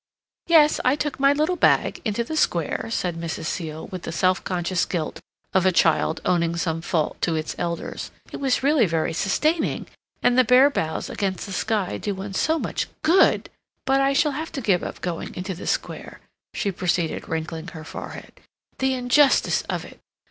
"Yes, I took my little bag into the square," said Mrs. Seal, with the self conscious guilt of a child owning some fault to its elders. "It was really very sustaining, and the bare boughs against the sky do one so much good. But I shall have to give up going into the square," she proceeded, wrinkling her forehead. "The injustice of it!